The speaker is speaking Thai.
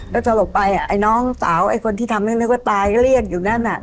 แล้วสลบไปไอ้น้องสาวไอ้คนที่ทำให้นึกว่าตายก็เรียกอยู่นั่นน่ะ